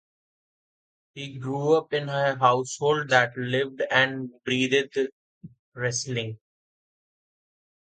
He grew up in a household that lived and breathed wrestling.